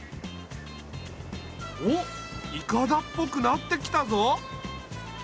おっいかだっぽくなってきたぞ。